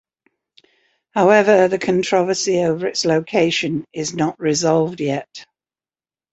However, the controversy over its location is not resolved yet.